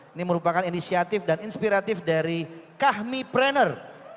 ini merupakan inisiatif dan inspiratif dari kami prener